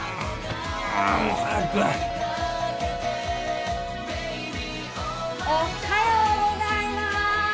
うーんもう早くおっはようございまーす！